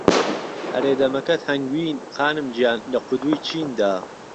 ئهرێ دهمهکهت ههنگوین خانم گیان له قودوی چیندا